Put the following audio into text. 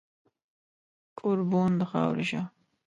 کوربون د خاورې شه